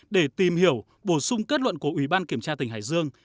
để tìm hiểu bổ sung kết luận của ubk tỉnh hải dương